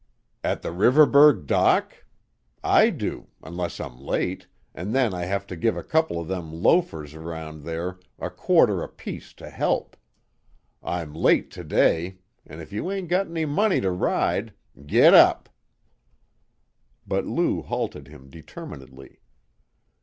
"At the Riverburgh dock? I do, unless I'm late, an' then I have to give a couple o' them loafers around there a quarter apiece to help. I'm late to day, an' if you ain't got any money to ride Giddap!" But Lou halted him determinedly.